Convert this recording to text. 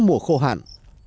mùa khô hẳn